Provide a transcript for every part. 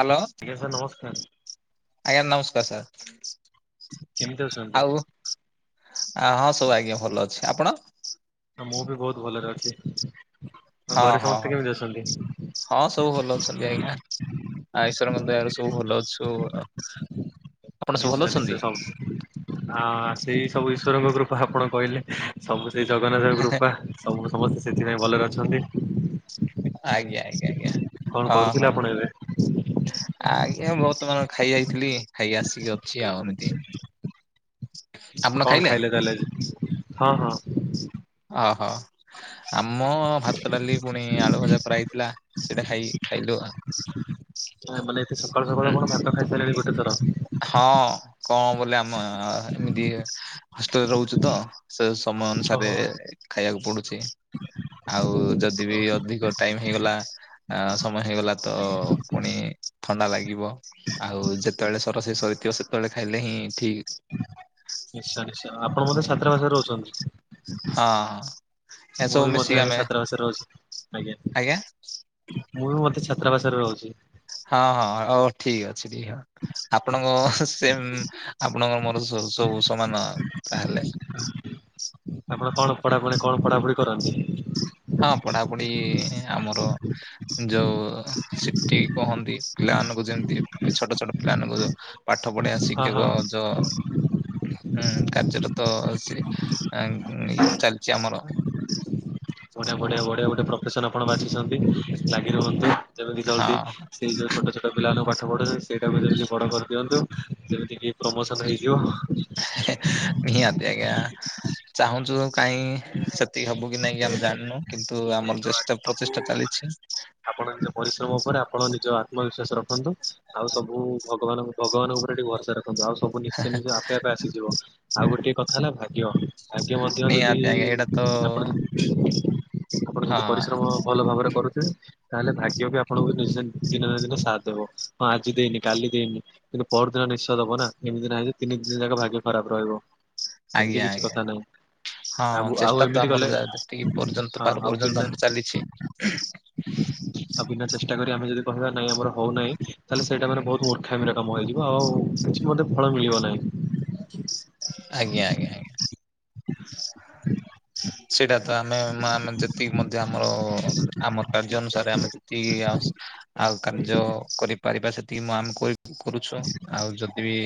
Hello ଆଜ୍ଞା sir ନମସ୍କାର ଆଜ୍ଞା ନମସ୍କାର ସାର୍। କେମିତି ଅଛନ୍ତି? ଆ ହଁ ସବୁ ଆଜ୍ଞା ଭଲ ଅଛି ଆପଣ? ମୁଁ ବି ବହୁତ ଭଲରେ ଅଛି। ଆଉ ହଁ ଘରେ ହଁ ସମସ୍ତେ ହଁ କେମିତି ଅଛନ୍ତି? ହଁ ସବୁ ଭଲ ଅଛନ୍ତି ଆଜ୍ଞା ଆ ଈଶ୍ଵର ମଧ ଦୟାରୁ ସବୁ ଭଲଅଛୁ। ନିଶ୍ଚୟ ନିଶ୍ଚୟ ସବୁ ସେଇ ସବୁ ଈଶ୍ୱରଙ୍କ କୃପା ଆପଣ କହିଲେ ସବୁ ସେଇ ଜଗନ୍ନାଥଙ୍କ କୃପା ସବୁ ସମସ୍ତେ ସେଥିପାଇଁ ଭଲରେ ଅଛନ୍ତି। ଆଜ୍ଞା ଆଜ୍ଞା ଆଜ୍ଞା କଣ ହଁ କରୁଥିଲେ ହଁ ଆପଣ ଏବେ ଆଗ ଆଜ୍ଞା ବର୍ତ୍ତମାନ ଖାଇ ଯାଇଥିଲି ଖାଇକି ଆସିକି ଅଛି ଆଉ ଏମିତି କଣ ଖାଇଲେ ତାହେଲେ ହଁ ହଁ। ଓହୋ ଆମ ଭାତ ଡାଲି ପୁଣି ଆଳୁ ଭଜା କରାହେଇଥିଲା। ସେଇଟା ଖାଇ ଖାଇଲୁ ଆ ମାନେ ଏତେ ସକାଳୁ ସକାଳୁ କଣ ଭାତ ଖାଇସାରିଲେଣି ଗୋଟେଥର। ହଁ କଣ ବୋଲେ ଆମ ଏମିତି ହଷ୍ଟେଲରେ ରହୁଚୂ ତ ସେ ସମୟ ଅନୁସାରେ ଓହୋ ଖାଇବାକୁ ପଡୁଚି। ଆଉ ଯଦି ବି ଅଧିକ ଟାଇମ ହେଇଗଲା ଆ ସମୟ ହେଇଗଲା ତ ପୁଣି ଥଣ୍ଡା ଲାଗିବ ଆଉ ଯେତେବେଳେ ରୋଷେଇ ସରିଥିବ ସେତେବେଳେ ଖାଇଲେ ହିଁ ଠିକ। ନିଶ୍ଚୟ ନିଶ୍ଚୟ ଆପଣ ବୋଧେ ଛାତ୍ରା ବାଷାରେ ରହୁଚନ୍ତି? ହଁ। ମୁଁ ଏସବୁ ବି ମଧ୍ୟ ମିଶିକି ଆଜ୍ଞା ଆମେ ଛାତ୍ରା ବାସରେ ରହୁଚି ଆଜ୍ଞା। ମୁଁ ବି ମତେ ଛାତ୍ରାସରେ ରହୁଚି। ହଁ ହଁ ହଉ ଠିକ ଅଛି ଦିକ ହ ଆପଣଙ୍କ ସେମ ଆପଣଙ୍କ ମୋର ସବୁ ସମାନ ତାହେଲେ ଆପଣ କଣ ପଢାପଢି କଣ ପଢାପଢି କରନ୍ତି? ହଁ ପଢାପଢି ଆମର ଯୋଉ ସିଟି କୁହନ୍ତି। ପିଲାମାନଙ୍କୁ ଯେମିତି ଛୋଟ ଛୋଟ ପିଲାମାନଙ୍କୁ ଯୋ ପାଠ ପଢିଆ ହଁ ହଁ ଶିକ୍ଷକ ଯୋ ହୁଁ କାର୍ଯ୍ୟର ତ ଚାଲିଛି ଆମର ବଢିଆ ବଢିଆ ବଢିଆ ଗୋଟେ ପ୍ରଫେସନ ଆପଣ ବା ଲାଗି ରୁହନ୍ତି, ଯେମିତି ହଁ ଜଲଦି ସେଇ ଯୋଉ ଛୋଟ ଛୋଟ ପିଲା ନ ପାଠ ପଢ଼ୁଛନ୍ତି ସେଇଟାକୁ ଯେମିତି ବଡ଼ କରିଦିଅନ୍ତୁ, ଯେମିତିକି ପ୍ରମୋସନ୍ ହେଇଯିବ ନିହାତି ଆଜ୍ଞା। ଚାହୁଁଛୁ କାଇହିଁ ସେତିକି ହବୁ କି ନାଇଁ କି ଆମେ ଜାଣିନୁ କିନ୍ତୁ ଆମର ଚେଷ୍ଟା ସବୁ ପ୍ରଚେଷ୍ଟା ମାନେ ଚାଲିଛି ଆପଣ ନିଜ ପରିଶ୍ରମ ଉପରେ ଆପଣ ନିଜ ଆତ୍ମବିଶ୍ୱାସ ଆତ୍ମବିଶ୍ଵାସ ରଖନ୍ତୁ, ଆଉ ସବୁ ଭଗବାନ ଭଗବାନଙ୍କ ଉପରେ ଟିକେ ଭରସା ରଖନ୍ତୁ। ରଖନ୍ତୁ ଆଉ ସବୁ ନିଶ୍ଚେ ନିଜ ଆପେ ଆପେ ଆସିଯିବ ଆଉ ଗୋଟଏ କଥା ହେଲା ଭାଗ୍ୟ ଭାଗ୍ୟ ମଧ୍ୟ ଯଦି ନିହାତି ଆଜ୍ଞା ଏଇଟା ତ ଆପଣ ହଁ ଯଦି ପରିଶ୍ରମ ଭଲ ଭାବରେ କରୁଥିବେ ତାହେଲେ ଭାଗ୍ୟ ବି ଆପଣଙ୍କୁ ଦିନେ ନା ଦିନେ ସାଥ ଦେବ ହଁ ଆଜି ଦେଇନି କାଲି ଦେଇନି କିନ୍ତୁ ପର ଦିନ ନିଶ୍ଚୟ ଦବ ନା, ଏମିତି ନାଇଁ କି ତିନି ଦିନ ଯାକ ଭାଗ୍ୟ ଖରାପ ରହିବ। ସେମିତି ଆଜ୍ଞା କିଛି ଆଜ୍ଞା କଥା ନାହିଁ ହଁ ଆ ଆଉ ଚେଷ୍ଟା ତ ଏମିତି ଆମର କଲେ ଯା- ଯେତିକି ପର୍ଯ୍ୟନ୍ତ ଆଉ ପାରୁ ଆଉ ପର୍ଯ୍ୟନ୍ତ ବିନା ଆମର ଚାଲିଛି ଚେଷ୍ଟା ଚେଷ୍ଟା କରି ଆମେ ଯଦି କହିବା ନାଇ ଆମର ହଉନାହିଁ, ତାହେଲେ ସେଇଟା ସେଇଟା ମାନେ ବହୁତ ମୂର୍ଖାମିର କାମ ହେଇଯିବ, ଆଉ କିଛି ମଧ୍ୟ ଫଳ ମିଳିବ ନାହିଁ ଆଜ୍ଞା ଆଜ୍ଞା ଆଜ୍ଞା ସେଟା ତ ଆମେ ଆମେ ଯେତିକି ମଧ୍ୟ ଆମର ଆମର କାର୍ଯ୍ୟ ଅନୁସାରେ ଆମେ ଯେତିକି ଆଉ। ଆଉ କାର୍ଯ୍ୟ କରିପାରିବା ସେତିକି ମୁଁ ଆମେ କରୁ କରୁଛୁ ଆଉ ଯଦି ବି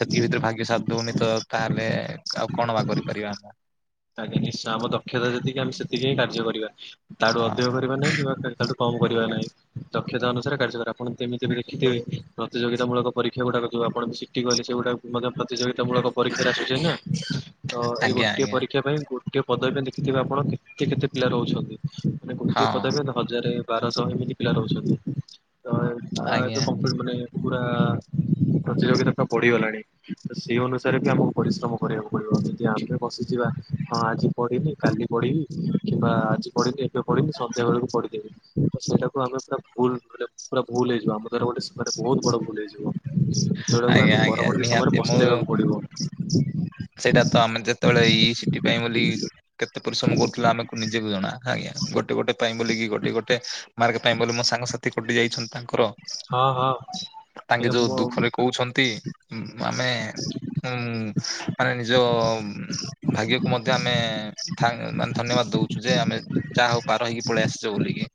ସେତିକି ଭିତରେ ଭାଗ୍ୟ ସାଥ ଦଉନି ତ ତାହେଲେ ଆଉ କଣ ବା କରିପାରିବା ଆମେ ଆଜ୍ଞା ନିଶ୍ଚୟ ଆମ ଦକ୍ଷତା ଯେତିକି ଆମେ ସେତିକି ହିଁ କାର୍ଯ୍ୟ କରିବା ତାଠୁ ହଁ ଅଧିକ କରିବା ନାହିଁ କିମ୍ୱା ତା ଠାରୁ କମ୍ କରିବା ନାଇଁ ଦକ୍ଷତା ଅନୁସାରେ କାର୍ଯ୍ୟକରେ ଆପଣ ଯେମିତି ବି ଦେଖିଥିବେ, ପ୍ରତିଯୋଗିତାମୂଳକ ପରୀକ୍ଷା ଗୁଡ଼ାକ ଯୋଉ ଆପଣ ସିଟି କଲେ ଯଉଟା ପ୍ରତିଯୋଗିତା ମୂଳକ ପରୀକ୍ଷାରେ ଆସୁଛି ନା ତ ଏଇ ଆଜ୍ଞା ଗୋଟିଏ ଆଜ୍ଞା। ପରୀକ୍ଷା ପାଇଁ ଗୋଟିଏ ପଦବୀ ପାଇଁ ଦେଖିଥିବେ, ଆପଣ କେତେ କେତେ ପିଲା ରହୁଛନ୍ତି। ମାନେ ହଁ ଗୋଟିଏ ପଦବୀରେ ହଜାରେ ବାରଶହ ଏମିତି ପିଲା ରହୁଛନ୍ତି। ତ ଆଜ୍ଞା ଏ କପ୍ଲିଟ୍ ମାନେ ପୁରା ପ୍ରତିଯୋଗିତା ଟା ବଢ଼ିଗଲାଣି ତ ସେଇ ଅନୁସାରେ ବି ଆମକୁ ପରିଶ୍ରମ କରିବାକୁ ପଡ଼ିବ ଯଦି ଆମେ ବସିଯିବା ହଁ ଆଜି ପଢ଼ିନି କାଲି ପଢ଼ିବି କିମ୍ବା ଆଜି ପଢ଼ିନି, ଏବେ ପଢ଼ିବି ସନ୍ଧ୍ୟା ବେଳକୁ ପଢ଼ିଦେବି ସେଇଟାକୁ ଆମେ ପୁରା ଭୁଲରେ ପୁରା ଭୁଲ ହେଇଯିବ, ଆମର ସେସମୟରେ ବହୁତ ବଡ଼ ଭୁଲ୍ ହେଇଯିବ ଯେଉଁଟା କୁ ଆଜ୍ଞା ଆଜ୍ଞା ଆମ ନିହାତି ମୁଁ ପରବର୍ତ୍ତୀ ସମୟରେ ପସ୍ତେଇବାକୁ ପଡ଼ିବ। ସେଇଟା ତ ଆମେ ଯେତେବେଳେ ଏଇଥି ଏଇଥି ପାଇଁ ବୋଲି କେତେ ପରିଶ୍ରମ କରୁଥିଲା, ଆମେକୁ ନିଜେକୁ ଜଣା ଆଜ୍ଞା ଗୋଟେ ଗୋଟେ ପାଇଁ ବୋଲିକି ଗୋଟେ ଗୋଟେ ମାର୍ଗ ପାଇଁ ବୋଲି ମୋ ସାଙ୍ଗସାଥି କଟି ଯାଇଛନ୍ତି ତାଙ୍କର ହଁ ହଁ ତାଙ୍କେ ଇଏ ଯୋଉ ମୋ ଦୁଃଖରେ କହୁଛନ୍ତି ଆମେ ଉ ମାନେ ନିଜ ଭାଗ୍ୟକୁ ମଧ୍ୟ ଆମେ ଥା ମାନେ ଧନ୍ୟବାଦ ଦଉଛୁ ଯେ ଆମେ ଯାହା ହଉ ପାର ହେଇକି ପଳେଇ ଆସିଛୁ ବୋଲିକି।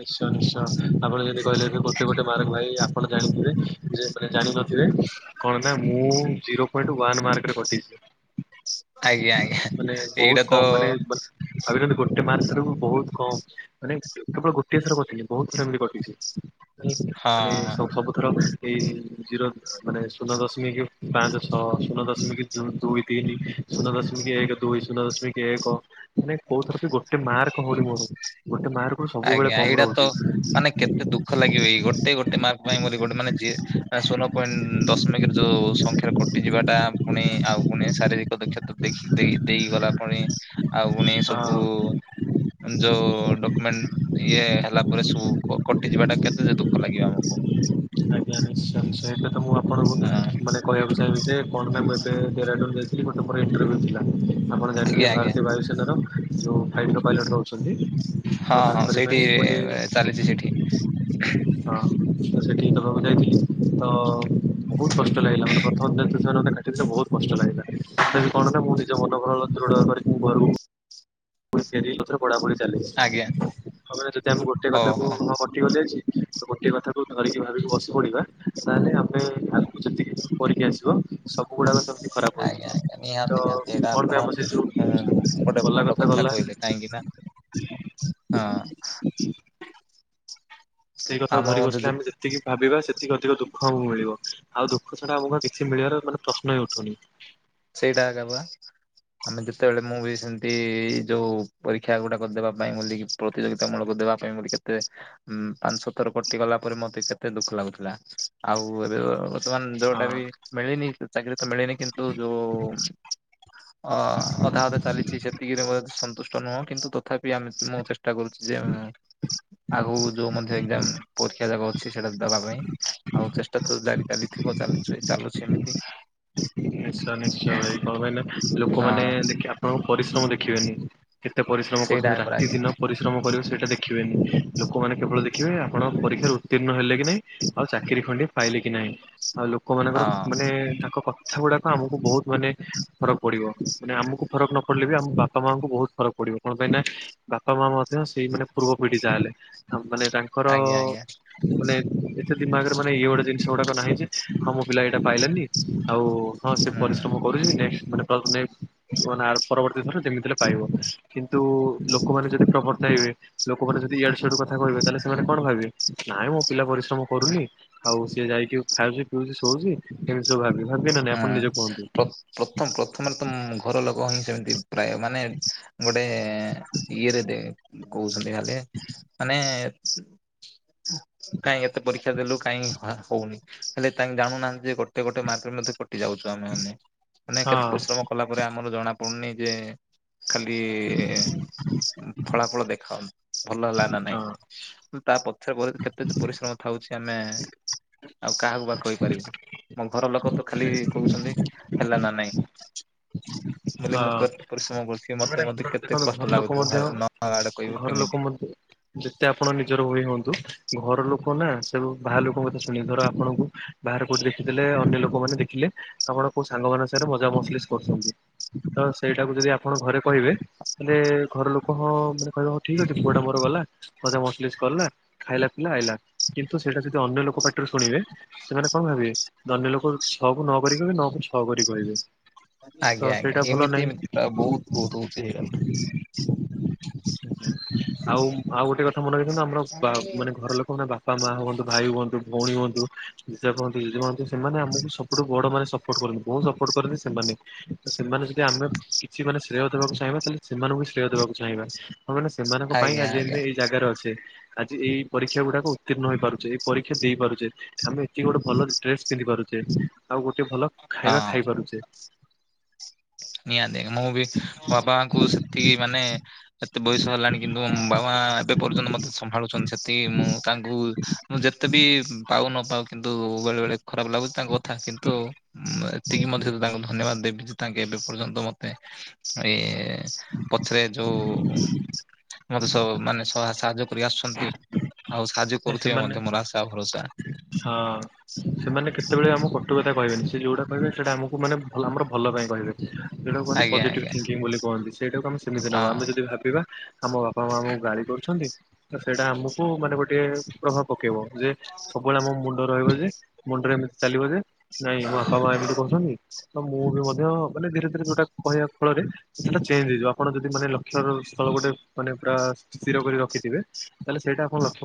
ନିଶ୍ଚୟ ନିଶ୍ଚୟ ଆପଣ ଯଦି କହିଲେ ଗୋଟେ ଗୋଟେ ମାର୍କ ଲାଗି ଆପଣ ଜାଣିଥିବେ ଯେ ମାନେ ଜାଣିନଥିବେ କଣ ନା ମୁଁ ଜିରୋ ପଏଣ୍ଟ ୱାନ୍ ମାର୍କରେ କଟିଛି ଆଜ୍ଞା ଆଜ୍ଞା। ମାନେ ବହୁତ ଏଇଟା ତ କମ୍ ମାନେ ଗୋଟେ ଗୋଟେ ମାର୍କରୁ ବହୁତ କମ୍ ମାନେ କେବଳ ଗୋଟଏ ଥର କଟିନି ବହୁତ ଥର ଏମିତି କଟିଛି ମାନେ ହଁ ସ ସବୁଥର ଏଇ ଜିରୋ ମାନେ ଶୂନ ଦଶମୀ କି ପାଞ୍ଚ ଛଅ ଶୂନ ଦଶମୀ କି ଦୁଇ ତିନି ଶୁନ ଦଶମୀକି ଏକ ଦୁଇ ଶୁନ ଦଶମୀକି ଏକ ମାନେ କୋଉଥର ଗୋଟେ ମାର୍କ ହଉନି ମୋର ଗୋଟେ ମାର୍କ କୁ ସବୁବେଳେ ଆଜ୍ଞା କମ୍ ଏଇଟା ତ ରହୁଛି। ମାନେ କେତେ ଦୁଃଖ ଲାଗିବ ଏଇ ଗୋଟେ ଗୋଟେ ମାର୍କ । ପାଇଁ ବୋଲି ଗୋଟେ ମାନେ ଯିଏ ଆ ଶୁନ ପଏଣ୍ଟ ଦଶମିକ୍ ର ଯୋଉ ସଂଖାରେ କଟି ଯିବାଟା ପୁଣି ଆଉ । ଉ ପୁଣୀ ଶାରୀରିକ ଦକ୍ଷତା ଦେଖି ଦେଇ ଦେଇ ଗଲା ପୁଣି ଆଉ ପୁଣୀ ଆ ସବୁ । ଯୋଉ ଡକୁମେଣ୍ଟ ଇଏ ହେଲା ପରେ ସବୁ କ କଟି ଯିବାଟା କେତେ ଯେ ଦୁଃଖ ଲାଗିବ ଆମକୁ । ଆଜ୍ଞା ଆଜ୍ଞା ନିଶ୍ଚୟ ନିଶ୍ଚୟ ଏଇଟା ତ ଗୁଣ ପର୍ବ ହଁ ମାନେ କହିବାକୁ ଚାହିଁବି ଯେ କଣ ପାଇଁ ମୁଁ ଏବେ ଡେରାଡୁନ ଯାଇଥିଲି । ତାପରେ ଇଣ୍ଟରର୍ଭ୍ୟୁ ଥିଲା । ଆପଣ ଜାଣିଥିବେ ଆଜ୍ଞା ଆଜ୍ଞା ଭାରତୀୟ ବାୟୁସେନାର ଯେଉଁ ଫ୍ଲାଇଟ୍ ପାଇଲଟ୍ ରହୁଛନ୍ତି । ହଁ ହଁ ସେଇଠି ଚାଲିଛି ସେଠି । ହଁ । ସେଠିକି ଦବାକୁ ଯାଇଥିଲି ତ ବହୁତ କଷ୍ଟ ଲାଗିଲା ମାନେ ପ୍ରଥମ ଦିନ ଯେହେତୁ ସେମାନେ ମତେ କାଟି କିନ୍ତୁ ବହୁତ୍ କଷ୍ଟ ଲାଗିଲା ସେଥି ପାଇଁ କଣ ନା ମୁଁ ନିଜ ମନ ବଳ ଦୃଢ କରିକି ମୁ ଘରୁକୁ । ପୁଣି ଫେରିଲି ଏଥର ପଢାପଢ଼ି ଚାଲିଛି ଆଜ୍ଞା କଁ କହିଲ ଯଦି ଆମେ ଗୋଟେ ହଉ କଥା କୁ ହଉ ହଁ କଟି ଗଲି ଆଜି ‌ ‌। ତ ଗୋଟିଏ କଥାକୁ ଧରିକି ଭାବିକି ବସି ପଡିବା ତାହେଲେ ଆମେ ଆଗକୁ ଯେତିକି ପଢିକି ଆସିବ । ସବୁ ଗୁଡାକ ସ ଆଜ୍ଞା ଆଜ୍ଞା ନିହାତି ନିହାତି ଏଇଟା ପାଇଁ ଆପଣ ଆମ ସେ ଯୋଉ ଉଁ ଗୋଟେ ଗଲା ଭଲ କଥା ଗଲା କହିଲେ। କାହିଁକି ନା ହଁ। ସେଇ କଥାକୁ ଆମର ଧରି ମଧ୍ୟ ବସିଲେ ଯେ ଆମେ ଯେତିକି ଭାବିବା ସେତ ଏତିକ ଏତିକ ଦୁଃଖ ଆମକୁ ମିଳିବ ଆଉ ଦୁଃଖ ଛଡା ଆମ କିଛି ମିଳିବାର ମାନେ ପ୍ରଶ୍ନ ହିଁ ଉଠୁନି। ସେଇଟା ଆଗେ ବା। ଆମେ ଯେତେ ବେଳେ ମୁଁ ବି ସେମତି ଯୋଉ ପରୀକ୍ଷା ଗୁଡାକ ଦେବା ପାଇଁ ଗଲି କି ପ୍ରତିଯୋଗିତା ମୂଳକ । ଦେବା ପାଇଁ ବୋଲି କେତେ ଉଁ ପାଞ୍ଚ ଛ ଥର କଟି ଗଲା ପରେ ମତେ କେତେ ଦୁଃଖ ଲାଗୁଥିଲା ଆଉ ଏବେ । ବର୍ତମାନ ଦେହ ଟା ହଁ। ବି ମିଳିନି ଚାକିରି ତ ମିଳିନି କିନ୍ତୁ । ଯୋଉ ଅ-ଅଧା-ଅଧା ଚାଲିଛି ସେତିକିରେ ବୋଧେ ସନ ତୁଷ୍ଟ ନୁହଁ କିନ୍ତୁ ତଥାପି ଆମେ ମୁଁ ଚେଷ୍ଟା କରୁଛି ଯେ ଉଁ ଆଗୁକୁ । ଯୋଉ ମଧ୍ୟ ଏକଜାମ ପରୀକ୍ଷା ଯାକ ଅଛି ସେଟା ଦବା ପାଇଁ । ଆଉ ଚେଷ୍ଟା ତ ଜାରି ଚାଲିଥିବ ଚାଲିଛି ଚାଲୁଛି ଏମିତି । ନିଶ୍ଚୟ-ନିଶ୍ଚୟ ଭାଇ କଣ ପାଇଁ ନା ହଁ ଲୋକମାନେ ଦେଖିବେ ଆପଣଙ୍କ ପରିଶ୍ରମ ଦେଖିବେନି। କେତେ ପରିଶ୍ରମ ସେଇଟା କରୁଛନ୍ତି ପରା ରାତି ଆଜ୍ଞା। ଦିନ ପରିଶ୍ରମ କରିବ ସେ ସେଟା ଦେଖିବେନି ଲୋକମାନେ କେବଳ ଦେଖିବେ ଆପଣ ପରୀକ୍ଷାରେ ଉତ୍ତୀର୍ଣ୍ଣ ହେଲେ କି ନାଇଁ ଆଉ ଚାକିରି ଖଣ୍ଡିଏ ପାଇଲେ । କି ନାଇଁ ଆଉ ଲୋକ ମାନଙ୍କର ହଁ ମାନେ ତାଙ୍କ କଥା ଗୁଡାକ ଆମକୁ ବହୁତ ମାନେ । ଫରକ୍ ପଡ଼ିବ ମାନେ ଆମକୁ ଫରକ୍ ନ ପଡ଼ିଲେ ବି ଆମ ବାପା ମାଆଙ୍କୁ ବହୁତ ଫରକ୍ ପଡ଼ିବ କଣ ପାଇଁ ନା ବାପା ମାଆ ମଧ୍ୟ । ସେଇ ମାନେ ପୂର୍ବ ପିଢି ଯାହେଲେ ଆମ ମାନେ ତାଙ୍କର ଆଜ୍ଞା ଆଜ୍ଞା ମାନେ । ଏତେ ଦିମାଗ୍ ରେ ମାନେ ଇଏ ଗୁଟେ ଜିନିଷ ଗୁଡାକ ନାହିଁ ଯେ ହଁ ମୋ ପିଲା ଏଇଟା ପାଇଲାନି ଆଉ ‌। ହଁ ସେ ହୁଁ ପରିଶ୍ରମ କରୁଛି ନେକସ୍ ମାନେ ପ୍ରବଲେମ ମାନେ ଆର ପରବର୍ତ୍ତୀ ଥର ଯେମିତି ହେଲେ ପାଇବ କିନ୍ତୁ ଲୋକମାନେ ଯଦି ପ୍ରବର୍ତ୍ତାଇ ତାଇବେ ଲୋକମାନେ ଯଦି ଇଆଡୁ ସିଆଡୁ କଥା କହିବେ ତାହେଲେ ସେମାନେ କଣ ଭାବିବେ ନାଇଁ ମୋ ପିଲା ପରିଶ୍ରମ କରୁନି । ଆଉ ସିଏ ଯାଇକି ଖାଉଛି ପିଉଛି ଶୋଉଛି ଏମିତି ସବୁ ଭାବିବେ। ଭାବିବେ ନା ନାଇଁ ଆପଣ ଆଁ ନିଜେ କୁହନ୍ତୁ। ପ ପଥମ ପ୍ରଥମ ରେ ତ ଘର ଲୋକ ହିଁ ସେମିତି। ପ୍ରାୟ ମାନେ ଗୋଟେ ଇଏରେ ଦେ କହୁଛନ୍ତି ଖାଲି ମାନେ କାଇଁ ଏତେ ପରୀ କ୍ଷା ଦେଲୁ କାହିଁ ହାଁ ହଉନି ହେଲେ ତାଙ୍କ ଜାଣୁ ନାହାନ୍ତି ଯେ ଗୋଟେ ଗୋଟେ ମାର୍କରେ ମଧ୍ୟ । କଟି ଯାଉଛୁ ଆମେ ମାନେ ମାନେ ହଁ କେତେ ପରିଶ୍ରମ କଲା ପରେ ଆମର ଜଣା ପଡୁନି ଯେ । ଖାଲି ଫଳା ଫଳ ଦେଖାଅ ଭଲ ହେଲା ନା ନାଇଁ। ହଁ ତା ପଛରେ ପରେ ଯେ କେତେ ଯେ ପରିଶ୍ରମ ଥାଉଛି ଆମେ ଆଉ କାହାକୁ ବା କହିପାରିବୁ ମୋ ଘର ଲୋକ । ତ ଖାଲି କହୁଛନ୍ତି ହେଲା ନା ନାଇଁ। ବେଲି ମୁଁ ହଁ କେତେ ପରିଶ୍ରମ କରୁଛି ମାନେ ମତେ ମଧ୍ୟ କେତେ ଦେଖନ୍ତୁ ଘର କଷ୍ଟ ଲୋକ ଲାଗୁଥିବ ମଧ୍ୟ ହେଲା ନ ଆଡେ କହିବୁ ଘର ଲୋକ କେମିତି। ମଧ୍ୟ ଯେତେ ଆପଣ ନିଜର ହୋଇ ହୁଅନ୍ତୁ ଘର ଲୋ କନା ସେବୁ ବାହାର ଲୋକଙ୍କ କଥା ଶୁଣିବେ ଧର ଆପଣଙ୍କୁ ବାହାର କୋଉଠି ଦେଖିଦେଲେ ଅନ୍ୟ ଲୋକମାନେ ଦେଖିଲେ ଆମ ଣ କୋଉ ସାଙ୍ଗ ମାନସାରେ ମଜା ମସଲିସ୍ କରୁଛନ୍ତି। ତ ସେଇଟାକୁ ଯଦି ଆପଣ ଘରେ କହିବେ ତାହେଲେ ଘର ଲୋକ ହଁ ମାନେ କହିବେ ହଉ ଠିକ ଅଛି ପୁଅ ଟା ମୋର କଲା ମଜା ମସଲିସ୍ କଲା ଖାଇଲା ପିଲା ଆଇଲା କିନ୍ତୁ ସେଟା ଯଦି ଅନ୍ୟ ଲୋକ ପାଟିରୁ ଶୁଣିବେ ସେମାନେ କଁ ଭାବିବେ ଦନ୍ୟ ଲୋକ ଛଅ କୁ ନ କରିକି ବି ନଅ କୁ ଛଅ କରିି କହିବେ। ତ ଆଜ୍ଞା-ଆଜ୍ଞା ସେଇଟା ଭଲ ଏମିତି ଏମିଟା ବହୁତ-ବହୁତ [unintelligible] ଆଉ-ଆଉ ଗୋଟେ କଥା ମନେ ରଖନ୍ତୁ ଆମର ବା ମାନେ ଘର ଲୋକ ମାନେ ବାପା ମା ହୁଅନ୍ତୁ ଭାଇ ହୁଅନ୍ତୁ ଭଉଣୀ ହୁଅନ୍ତୁ। ଜେଜ ଜଜେ ମା ହୁଅନ୍ତୁ ସେମାନେ ଆମକୁ ସବୁଠୁ ବଡ ମାନେ ସପୋର୍ଟ କରନ୍ତି ବହୁତ ସପୋର୍ଟ କରନ୍ତି ସେମାନେ। ତ ସେମାନେ ଯଦି ଆମେ କିଛି ମାନେ ଶ୍ରେୟ ଦେବାକୁ ଚାହିଁବା ତାହେଲେ ସେମାନଙ୍କୁ ଶ୍ରେୟ ଦେବାକୁ ଚାହିଁବା। ହ ମାନେ ସେମାନଙ୍କ ପାଇଁ ଆଜ୍ଞା ଆଜି ଆଜ୍ଞା। ଆମେ ଏଇ ଜାଗାରେ ଅଛେ। ଆଜି ଏଇ ପରୀକ୍ଷା ଗୁଡାକ ଉତ୍ତୀର୍ଣ ହୋଇ ପାରୁଚେ ଏଇ ପରୀକ୍ଷା ଦେଇପାରୁଛେ ଆମେ ଏତିକି ଗୋଟେ ଭଲ ଡେସ୍ ପିନ୍ଧି ପାରୁଛେ। ଆଉ ଗୋଟେ ଭଲ ଖାଇବା ହଁ ଖାଇପାରୁଛେ। ନିହାତି ମୁଁ ବି ବାପା ମାଙ୍କୁ ସେତିକି ମାନେ। ଏତେ ବୟସ ହେଲାଣି କିନ୍ତୁ ମୋ ବାବା ଏବେ ପର୍ଯ୍ୟନ୍ତ ମତେ ସମ୍ଭାଳୁଛନ୍ତି ସେତିକି ମୁଁ ତାଙ୍କୁ ମୁଁ ଯେତେ ବି। ପାଉ ନ ପାଉ କିନ୍ତୁ ବେଳେ ବେଳେ ଖରାପ ଲାଗୁଛି ତାଙ୍କ କଥା କିନ୍ତୁ ଏତିକି ମଧ୍ୟ ତାଙ୍କୁ ଧନ୍ୟବାଦ ଦେବି ଯେ ତା ଏବେ ପର୍ଯ୍ୟନ୍ତ ମତେ ଏଇ ପଛରେ ଯୋଉ। ଉମ ମତେ ସ ମାନେ ସା ସାହାଯ୍ୟ କରି ଆସୁଛନ୍ତି। ଆଉ ସାହାଯ୍ୟ କରୁଥିବେ ସେମାନେ ମଧ୍ୟ ମୋର ଆଶା ଭରସା ହଁ ସେମାନେ କେତେବେଳେ ଆମ କ ଟୁ କଥା କହିବେନି ସେ ଯୋଉଟା କହିବେ ସେଇଟା ଆମକୁ ମାନେ ଭଲ ଆମର ଭଲ ପାଇଁ କହିବେ। ଯଉଟା କୁହନ୍ତି ଆଜ୍ଞା ପଜିଟିଭ୍ ଆଜ୍ଞା ଥିଙ୍କିଙ୍ଗ ବୋଲି କହନ୍ତି ସେଇଟାକୁ ଆମେ ସେମିତି ନବା ଆମେ ହଁ। ଯଦି ଭାବିବା। ଆମ ବାପା ମା ଆମକୁ ଗାଳି କରୁଛନ୍ତି ତ ସେଇଟା ଆମକୁ ମାନେ ଗୋଟେ ପ୍ରଭାବ। ପକେଇବ ଯେ ସବୁବେଳେ ଆମ ମୁଣ୍ଡ ରହିବ ଯେ। ମୁଣ୍ଡରେ ଏମିତି ଚାଲିବ ଯେ ନାଇଁ ମୋ ବାପା ମା ଏମିତି କହୁଛନ୍ତି ତ ମୁଁ ବି ମଧ୍ୟ ମାନେ ଧୀରେ ଧୀରେ କହିବା ଫଳରେ ସେଟା ଚେଞ୍ଜ ହେଇଯିବ ଆପଣ ଯଦି ମାନେ ଲକ୍ଷର ସ୍ଥଳ ଗୋଟେ ମାନେ ପୁରା ସ୍ଥିର କ ରଖଥିବେ ତାହେଲେ ସେଇଟା ଆପଣ ଲକ୍ଷ।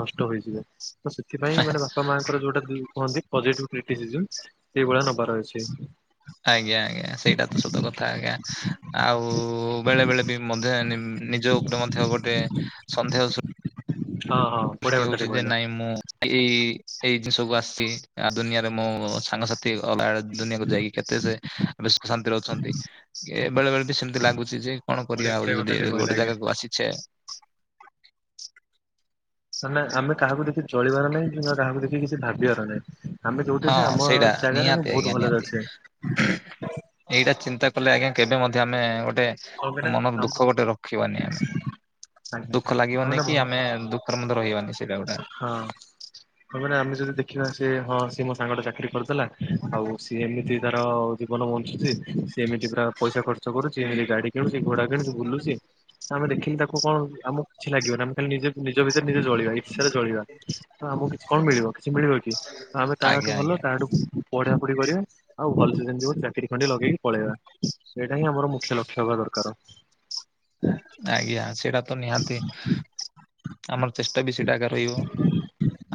ନଷ୍ଟ ହେଇଯିବେ ତ ସେଥିପାଇଁ ମାନେ ବାପା ମାଙ୍କର ଯୋଉଟା ଦି କୁହନ୍ତି ପଜେଟିଭ କ୍ରିଟିଶିଜମ ସେଇ ଭଳିଆ ନବାର ଅଛି। ଆଜ୍ଞା ଆଜ୍ଞା ସେଇଟା ତ ସତ କଥା ଆଜ୍ଞା ଆଉ। ଉ ବେଳେ ବେଳେ ବି ମଧ୍ୟ ନିନିଜ ଉପରେ ମଧ୍ୟ ଗୋଟେ ସନ୍ଦେହ ସ ହଁ ହଁ ବଢିଆ ସୃଷ୍ଟି କଥା ଟେ ହଉଛି ଯେ କହିଲେ ନାଇଁ ମୁଁ ଏଇ। ଏଇ ଜିନିଷକୁୁ ଆସିଛି ଆ ଦୁନିଆରେ ମୋ ସାଙ୍ଗସା କେ ଅଲଗା ଆଡ଼େ ଦୁନିଆକୁ ଯାଇକି କେତେ ସେ ବ ଶାନ୍ତିରେ ଅଛନ୍ତି ଏ ବେଳେ ବେଳେ ବି ସେମିତି ଲାଗୁଛି। ଯେ କଣ ବଢିଆ କରିବା ଆଉ ବଢିଆ କଥା ଯଦି ଟେ କହିଲେ ଗୋଟେ ଆଜ୍ଞା। ଜାଗାକୁ ଆସିଛେ। ନା ଆମେ କାହାକୁ ଦେଖି ଚଳିବାର ନାହିଁ କିମ୍ବା କାହାକୁ ଦେଖି କିଛି ଭାବିବାର ନାହିଁ। ଆମେ ଯୋଉଠି ହଁ ଅଛେ ଆମ ସେଇଟା ଜାଗାରେ ଆମେ ନିହାତି ଆଜ୍ଞା ବହୁତ ଭଲରେ ନିହାତି ଅଛେ ଏଇଟା ଚିନ୍ତା। ଲେ ଆଜ୍ଞା କେବେ ମଧ୍ୟ ଆମେ ଗୋ ଟେ କଣ ପାଇଁ ନା ମନକୁ ଆମ ଦୁଃଖ ଗୋଟେ ରଖିବନି ଆମେ ଦୁଃଖ ଲାଗିବନି କି ଆଜ୍ଞା। ଆମେ ଦୁ ହରମନ୍ଦ ରହିବାନି। ସେଇଟା ଗୋଟେ ହଁ ତ ମାନେ ଆମେ ଯଦି ଦେଖିବା ସେ ହଁ ସିଏ ମୋ ସାଙ୍ଗଟା ଚାକିରି କରୁ ଲା ଆଉ ସିଏ ଏମିତି ତାର ଜୀବନ ବଞ୍ଚୁଛି। ସେମିତି ପୁରା ପଇସା ଖର୍ଚ୍ଚ କରୁଛି ଏମିତି ଗାଡି କିଣୁଛି ଘୋଡା କିଣୁଛି ବୁଲୁଚି। ଆମେ ଦେଖିଲି ତାକୁ କଣ ଆମକୁ କିଛି ଲାଗିବନି ଆମେ ଖାଲି ନିଜେ ନିଜ ଭିତରେ ନିଜେ ଜଳି ଈର୍ଷାରେ ଜଳିବା ତ ଆମକୁ କିଛି କଣ ମିଳିବ କିଛି ମିଳିବ କି ତ ଆମେ ଆଜ୍ଞା ତାଠୁ ଭଲ ଆଜ୍ଞା ତାଠୁ ପଢି ପଢ଼ା ପଢ଼ି କରିବା ଆଉ ଭଲସେ ଯେମିତି ଗୋଟେ ଚାକିରି ଖଣ୍ଡେ ଲଗେଇକି ପଳେଇବା ଏଇଟା ହିଁ ଆମର ମୁଖ୍ୟ ଲକ୍ଷ୍ୟ ହବା ଦରକାର। ଆଜ୍ଞା ସେଇଟା ତ ନିହାତି ଆମର ଚେଷ୍ଟା ବି ସେଇଟା ଏକା ରହିବ।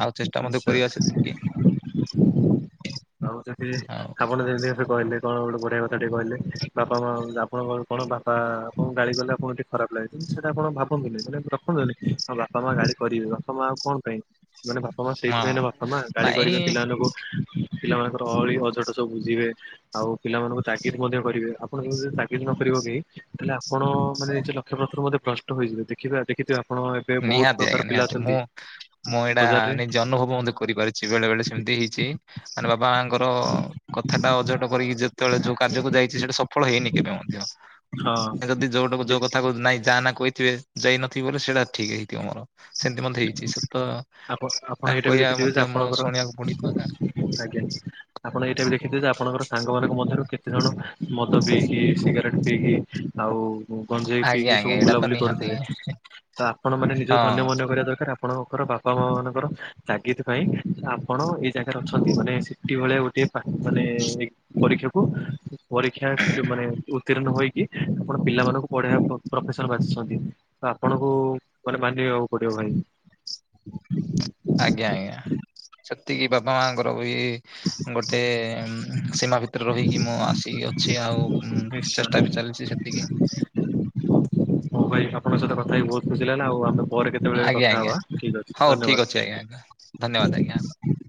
ଆଉ ଚେଷ୍ଟା ମଧ୍ୟ କରିବା ସେତିକି ଆଉ ସେଠି ଆଉ ଆପଣ ଯେମିତି ସେଠି କହିଲେ କଣ ଗୋଟେ ଗୋଟେ ବଢିଆ କଥା ଟେ କହିଲେ ବାପା ମା ଆପଣଙ୍କ କ କଣ ବାପା ଆପଣଙ୍କୁ ଗାଳି କଲେ ଆପଣଙ୍କୁ ଟିକି ଖରାପ ଲାଗେ କି ସେଟା କଣ ଭା ରଖୁନ୍ତୁନି ମାନେ ରଖନ୍ତୁନି ଆ ବାପା ମା ଗାଳି କରିବେ ବାପା ମା ଆଉ କଣ ପାଇଁ ମାନେ ବା ମା ହଁ ସେଇଥିପାଇଁ ବାପା ମା ଗାଳି ନାଇଁ କରିବେ ପିଲାମାନଙ୍କୁ। ପିଲାମାନଙ୍କର ଅହଳି ଅଝଟ ସବୁ ବୁଝିବେ ଆଉ ପିଲାମାନଙ୍କୁ ତାଗିଦ ମଧ୍ୟ କରିବେ ଆପଣ ଙ୍କୁ ଯଦି ତାଗିଦ ନ କରିବେ। [unintelligible] ତାହେଲେ ଆପଣ ମାନେ ନିଜ ଲକ୍ଷ୍ୟପଥ ରୁ ବଧେ ଭ୍ରଷ୍ଟ ହୋଇଯିବେ ଦେଖିବେ ଦେଖିଥିବେ। ଆପଣ ଏବେ ବହୁତ ନିହାତି ପ୍ରକାର ଆଜ୍ଞା ପିଲା ନିହାତି ଅଛନ୍ତି ମୁଁ ମୁଁ ଏଇଟା ବଜାରରେ ନିଜେ ଅନୁଭବ ମଧ୍ୟ କରିପାରୁଛି ବେଳେ ବେଳେ ସେମିତି। ହେଇଛି ମାନେ ବାବା ମାଙ୍କର କଥାଟା ଅଝଟ କରିକି ଯେତେବେଳେ ଯୋଉ କାର୍ଯ୍ୟକୁ ଯାଇଛି ସେଟା ସଫଳ ହେଇ ହେଇନି କେବେ ମଧ୍ୟ ହଁ ଯଦି ଯୋଉଟାକୁ ଯୋଉ କଥା କ ନାଇଁ ଯା ନା କ ଥିବେ ଯାଇନଥିବି ବୋଲେ ସେଇଟା ଠିକ ହେଇଥିବ ମୋର। ସେମିତି ମଧ୍ୟ ହେଇଛି ସେ ତ ଆପଣ ଆପଣ ତାଙ୍କୁ ଏଇଟା ବି କହିବା ଦେଖିଥିବେ ଯେ ମଧ୍ୟ ମୋ ଆପଣଙ୍କର ଶୁଣିବାକୁ ପଡି କଥା। ଆଜ୍ଞା ଆପଣ ଏଇଟା ବି ଦେଖିଥିବେ ଯେ ଆପଣଙ୍କର ସାଙ୍ଗମାନଙ୍କ ମଧ୍ୟରୁ କେତେଜଣ ମଦ ପିଇକି ସିଗାରେଟ୍ ପିଇକି ଆଉ ଗଞ୍ଜେଇ ଆଜ୍ଞା ପିଇକି ସବୁ ଆଜ୍ଞା ଏଇଟା ତ ବୁଲାବୁଲି ନିହାତି କରୁଥିବେ ତ ଆପଣ ମାନେ ସେ ହଁ ଯୋଉ ଧନ୍ୟ ମନେ କରିବା ଦରକାର ଆପଣଙ୍କର ବାପା ମା ମାନଙ୍କର ତାଗିଦ ପାଇଁ ଆପଣ ଏଇ ଜାଗାରେ ଅଛନ୍ତି ମାନେ ସେଠି ଭଳିଆ ଗୋ ଗୋଟିଏ ପା ମାନେ ପରୀକ୍ଷାକୁ ପରୀକ୍ଷା ମାନେ ଉତ୍ତୀର୍ଣ ହୋଇକି ଆପଣ ପିଲାମାନଙ୍କୁ ପଢେଇବା ପ୍ରଫେସନ ବାସିଛନ୍ତି ତ ଆପଣଙ୍କୁ ମାନିବାକୁ ପଡିବ ଭାଇ। ଆଜ୍ଞା ଆଜ୍ଞା ସେତିକି ବାପା ମାଙ୍କର ଇ ଗୋଟେ ସୀମା ଭିତରେ ରହିକି ମୁଁ ଆସିକି ଅଛି ଆଉ। ନିଶ୍ଚୟ ଚେଷ୍ଟା ବି ଚାଲିଛି ସେତିକି। ହଉ ଭାଇ ଆପଣଙ୍କ ସହିତ କଥା ହି ବହୁତ ଖୁସିି ଲାଗିଲା ଆଉ ଆମେ ପରେ କେତେବେଳେ ଆଜ୍ଞା କଥା ଆଜ୍ଞା ହବା ଠିକ ଅଛି ହଉ ଠିକ୍ ଅଛି ଆଜ୍ଞା ଆଜ୍ଞା ଆଜ୍ଞା। ଧନ୍ୟବାଦ।